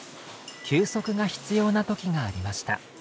休息が必要なときがありました。